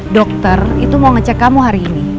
dokter itu mau ngecek kamu hari ini